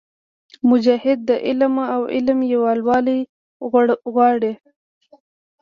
مجاهد د علم او عمل یووالی غواړي.